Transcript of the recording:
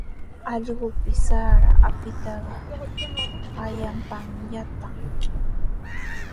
Allqupis sara apitaqa allaapami yatran.